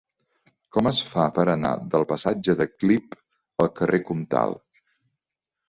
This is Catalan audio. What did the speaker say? Com es fa per anar del passatge de Clip al carrer Comtal?